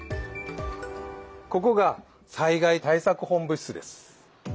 ここが災害対策本部室です。